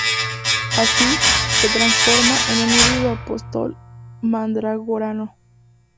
Así, se transforma en un híbrido apóstol-mandragorano.